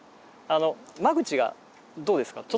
間口がどうですか？